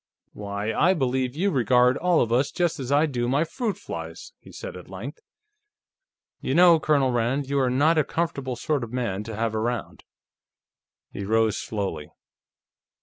"Why, I believe you regard all of us just as I do my fruit flies!" he said at length. "You know, Colonel Rand, you are not a comfortable sort of man to have around." He rose slowly.